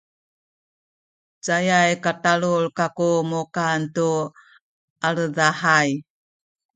cayay katalul kaku mukan tu aledahay